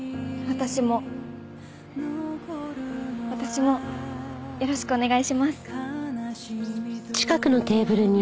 私もよろしくお願いします。